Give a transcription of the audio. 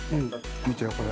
見てこれ。